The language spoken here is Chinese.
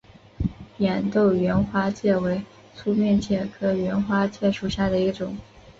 扁豆缘花介为粗面介科缘花介属下的一个种。